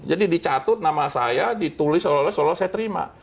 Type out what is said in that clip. jadi dicatut nama saya ditulis soalnya saya terima